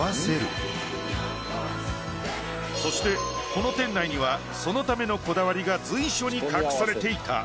そしてこの店内にはそのためのこだわりが随所に隠されていた。